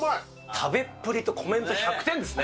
食べっぷりとコメント１００点ですね。